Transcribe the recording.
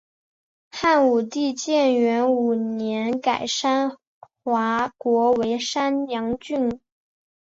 汉武帝建元五年改山划国为山阳郡。